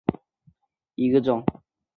条裂鸢尾兰为兰科鸢尾兰属下的一个种。